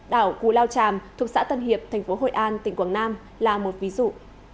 đảo cù lao chàm thuộc xã tân hiệp tp hội an tỉnh quảng nam là một ví dụ